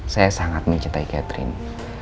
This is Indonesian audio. saya sangat mencintai catherine